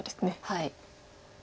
はい。